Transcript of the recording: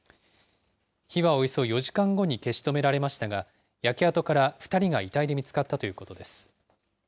火はおよそ４時間後に消し止められましたが、焼け跡から２人が遺体で見つかったということです。